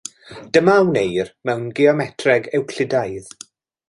Dyma a wneir mewn geometreg Ewclidaidd.